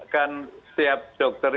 kan setiap dokter